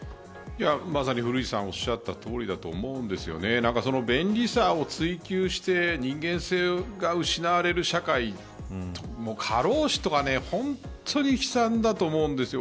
古市さんのおっしゃったとおりだと思うんですけど便利さを追求して人間性が失われる社会過労死とか本当に悲惨だと思うんですよ。